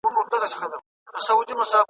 چي د زاغ په حواله سول د سروګلو درمندونه ..